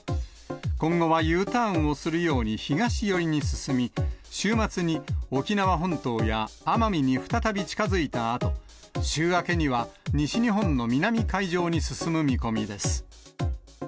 今後はＵターンをするように東寄りに進み、週末に沖縄本島や奄美に再び近づいたあと、週明けには、西日本の南海上に進む見込みです。